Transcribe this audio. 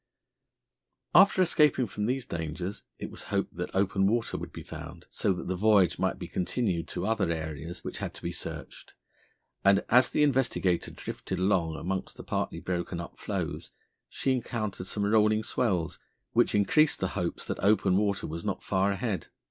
After escaping from these dangers it was hoped that open water would be found, so that the voyage might be continued to other areas which had to be searched, and, as the Investigator drifted along amongst the partly broken up floes, she encountered some rolling swells, which increased the hopes that open water was not far ahead.